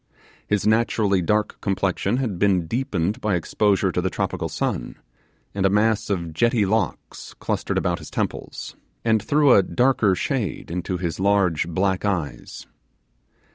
His naturally dark complexion had been deepened by exposure to the tropical sun, and a mass of jetty locks clustered about his temples, and threw a darker shade into his large black eyes.